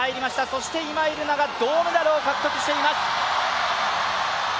そして、今井月が銅メダルを獲得しています。